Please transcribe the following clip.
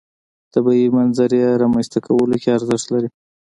طبیعي منظرې رامنځته کولو کې ارزښت لري.